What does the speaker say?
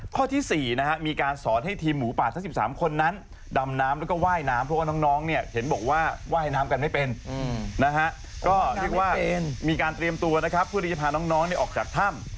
ข้อที่๔นะฮะมีการสอนให้ทีมหมูป่าทั้ง๑๓คนนั้นดำน้ำแล้วก็ว่ายน้ำเพราะว่าน้องเนี่ยเห็นบอกว่าว่ายน้ำกันไม่เป็นนะฮะก็เรียกว่ามีการเตรียมตัวนะครับเพื่อที่จะพาน้องออกจากถ้ำ